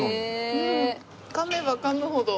かめばかむほど。